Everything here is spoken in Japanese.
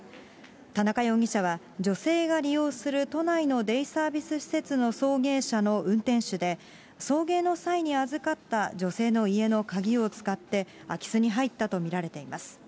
田中容疑者は、女性が利用する都内のデイサービス施設の送迎車の運転手で、送迎の際に預かった女性の家の鍵を使って、空き巣に入ったと見られています。